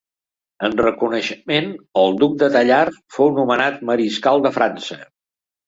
En reconeixement, el Duc de Tallard fou nomenat Mariscal de França.